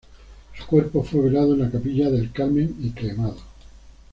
Su cuerpo fue velado en la capilla de El Carmen y cremado.